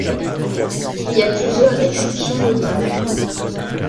Il y a plusieurs exceptions notables.